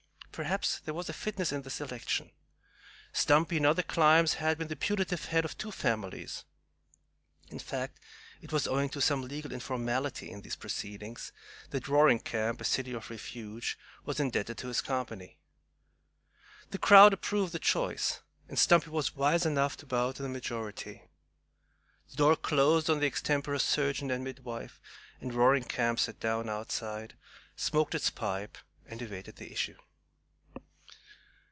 Perhaps there was a fitness in the selection. Stumpy, in other climes, had been the putative head of two families; in fact, it was owing to some legal informality in these proceedings that Roaring Camp a city of refuge was indebted to his company. The crowd approved the choice, and Stumpy was wise enough to bow to the majority. The door closed on the extempore surgeon and midwife, and Roaring Camp sat down outside, smoked its pipe, and awaited the issue.